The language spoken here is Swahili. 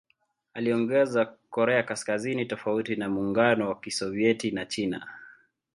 Aliongoza Korea Kaskazini tofauti na Muungano wa Kisovyeti na China.